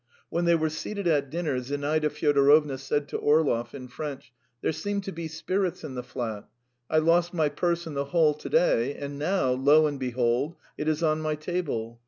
When they were seated at dinner, Zinaida Fyodorovna said to Orlov in French: "There seem to be spirits in the flat. I lost my purse in the hall to day, and now, lo and behold, it is on my table.